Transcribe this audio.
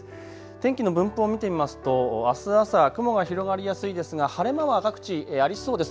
天気の分布を見てみますとあす朝、雲が広がりやすいですが晴れ間は各地ありそうです。